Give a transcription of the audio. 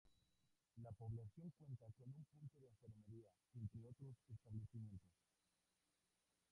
La población cuenta con un punto de enfermería entre otros establecimientos.